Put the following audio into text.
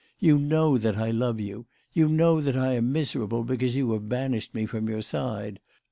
You know that I love you. You know that I am miserable because you have banished me from your side.